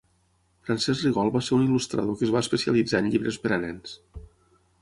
Francesc Rigol va ser un il·lustrador que es va especialitzar en llibres per a nens.